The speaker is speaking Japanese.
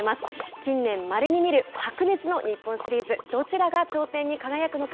近年まれに見る白熱の日本シリーズどちらが頂点に輝くのか